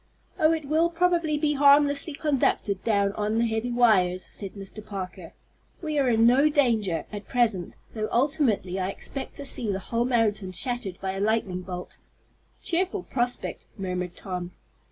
"Oh, it will probably be harmlessly conducted down on the heavy wires," said Mr. Parker. "We are in no danger, at present, though ultimately I expect to see the whole mountain shattered by a lightning bolt." "Cheerful prospect," murmured Tom.